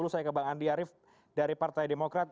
saya ke bang andi arief dari partai demokrat